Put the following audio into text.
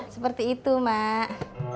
seperti itu mak